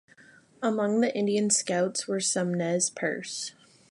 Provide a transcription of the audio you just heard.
Among the Indian scouts were some Nez Perce.